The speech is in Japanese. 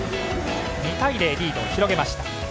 ２対０とリードを広げました。